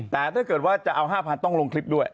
แต่ถ้าเกิดว่าจะเอา๕๐๐ต้องลงคลิปด้วย